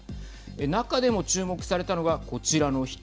中でも注目されたのがこちらの人。